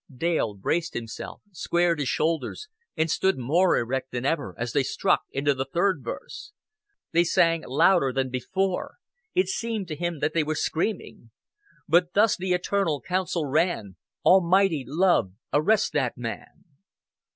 Dale braced himself, squared his shoulders and stood more erect than ever as they struck into the third verse. They sang louder than before: it seemed to him that they were screaming. "But thus th' eternal counsel ran, 'Almighty love, arrest that man!'"